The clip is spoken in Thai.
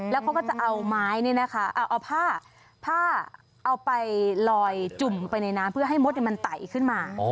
แล้วเขาก็จะเอาไม้เอาผ้าผ้าเอาไปลอยจุ่มลงไปในน้ำเพื่อให้มดมันไตขึ้นมา